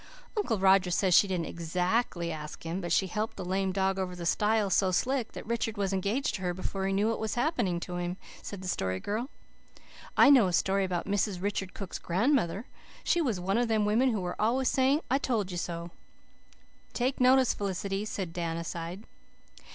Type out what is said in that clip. "Uncle Roger says she didn't exactly ask him, but she helped the lame dog over the stile so slick that Richard was engaged to her before he knew what had happened to him," said the Story Girl. "I know a story about Mrs. Richard Cook's grandmother. She was one of those women who are always saying 'I told you so '" "Take notice, Felicity," said Dan aside.